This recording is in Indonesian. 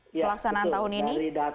pelaksanaan tahun ini